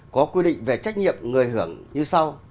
có quy định về trách nhiệm người hưởng như sau